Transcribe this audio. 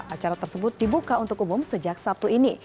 acara tersebut dibuka untuk umum sejak sabtu ini